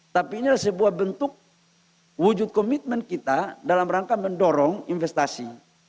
tapi ini adalah sebuah bentuk wujud komitmen kita dalam rangka mendorong investasi